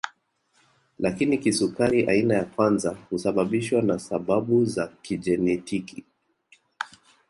Lakini kisukari aina ya kwanza husababishwa na sababu za kijenetiki